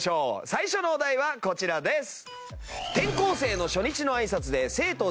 最初のお題はこちらです。